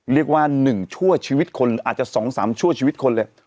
เรียกว่าหนึ่งชั่วชีวิตคนอาจจะสองสามชั่วชีวิตคนแหละ